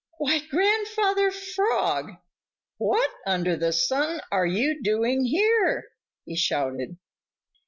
"Why, Grandfather Frog, what under the sun are you doing here?" he shouted.